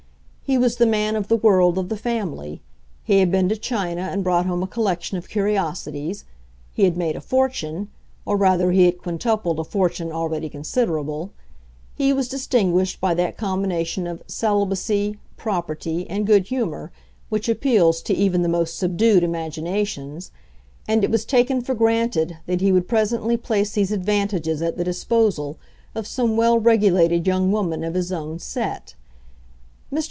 He was the man of the world of the family. He had been to China and brought home a collection of curiosities; he had made a fortune—or rather he had quintupled a fortune already considerable; he was distinguished by that combination of celibacy, "property," and good humor which appeals to even the most subdued imaginations; and it was taken for granted that he would presently place these advantages at the disposal of some well regulated young woman of his own "set." Mr.